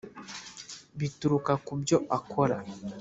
bituruka ku byo akora